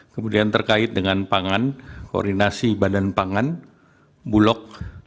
kemudian terkait dengan pangan koordinasi badan pangan bulog